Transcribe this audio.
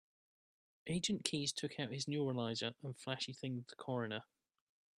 Agent Keys took out his neuralizer and flashy-thinged the coroner.